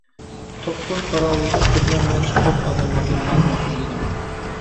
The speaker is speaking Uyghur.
توققۇز قاراۋۇلدىن كىرگەن ۋە چىققان ئادەملەرگە مەن مەسئۇل ئىدىم.